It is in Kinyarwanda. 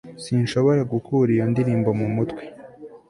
sinshobora gukura iyo ndirimbo mumutwe